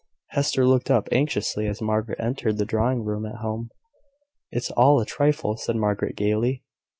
Hester looked up anxiously as Margaret entered the drawing room at home. "It is all a trifle," said Margaret, gaily.